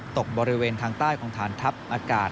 ตกบริเวณทางใต้ของฐานทัพอากาศ